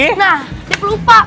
nah dia pelupa